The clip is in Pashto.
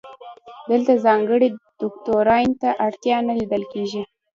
دلته ځانګړي دوکتورین ته اړتیا نه لیدل کیږي.